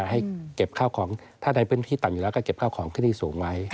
ให้เก็บข้าวของถ้าใดพื้นที่ต่ำอยู่แล้วก็เก็บข้าวของที่นี่สูงไว้